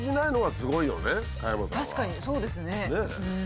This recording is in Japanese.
確かにそうですねうん。